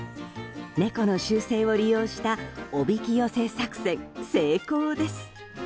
猫の習性を利用したおびき寄せ作戦成功です。